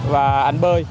và anh bơi